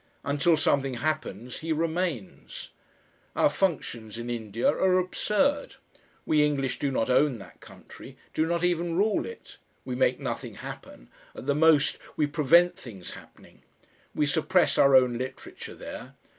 Until something happens he remains. Our functions in India are absurd. We English do not own that country, do not even rule it. We make nothing happen; at the most we prevent things happening. We suppress our own literature there.